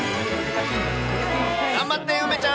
頑張って、梅ちゃん。